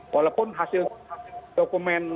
walaupun hasil dokumen